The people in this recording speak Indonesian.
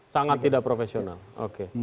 sangat tidak profesional oke